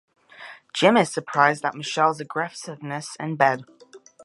Jim is surprised at Michelle's aggressiveness in bed.